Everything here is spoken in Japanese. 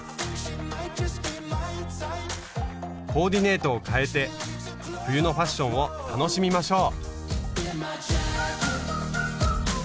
コーディネートを変えて冬のファッションを楽しみましょう！